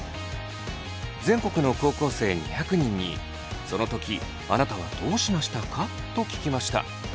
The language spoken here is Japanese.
全国の高校生２００人に「その時あなたはどうしましたか？」と聞きました。